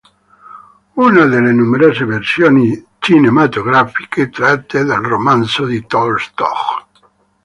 Una delle numerose versioni cinematografiche tratte dal romanzo di Tolstoj.